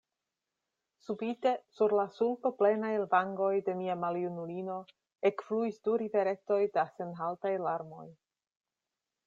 Subite sur la sulkoplenaj vangoj de la maljunulino ekfluis du riveretoj da senhaltaj larmoj.